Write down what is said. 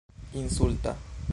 insulta